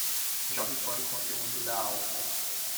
Jogue fora o conteúdo da alça